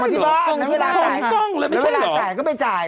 มันส่งมาที่บ้านหรือไม่ใช่